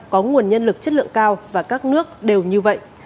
có nguồn nhân lực chất lượng cao và các nước đều như vậy